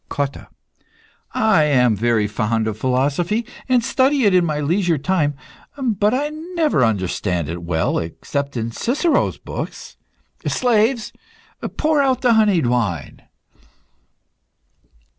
COTTA. I am very fond of philosophy, and study it in my leisure time. But I never understand it well, except in Cicero's books. Slaves, pour out the honeyed wine!